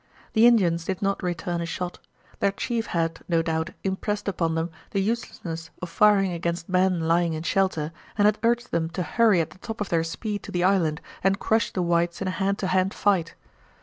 The Indians did not return a shot. Their chief had, no doubt, impressed upon them the uselessness of firing against men lying in shelter, and had urged them to hurry at the top of their speed to the island and crush the whites in a hand to hand fight.